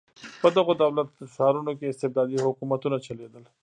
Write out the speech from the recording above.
په دغو دولت ښارونو کې استبدادي حکومتونه چلېدل.